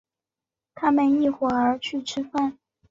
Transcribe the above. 他们一会儿去吃饭。